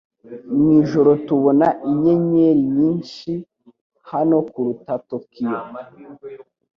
Mwijoro, tubona inyenyeri nyinshi hano kuruta Tokiyo. )